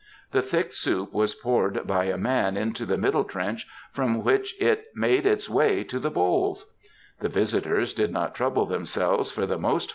The thick soup was poured by a man into the middle trench, from which it made its way to the bowls ! The visitors did not trouble themselves for the most